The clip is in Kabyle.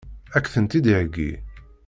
Ad k-tent-id-iheggi?